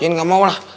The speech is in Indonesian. ian enggak mau lah